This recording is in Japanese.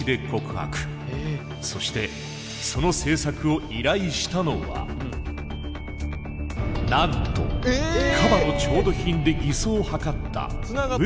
そしてその制作を依頼したのはなんとカバの調度品で偽装を図ったウェザレルだった。